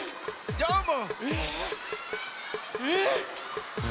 どーも。